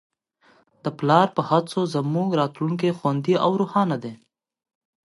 د پلار په هڅو زموږ راتلونکی خوندي او روښانه دی.